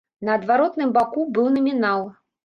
На адваротным баку быў намінал.